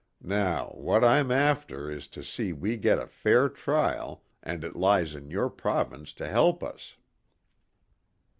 Now what I'm after is to see we get a fair trial and it lies in your province to help us."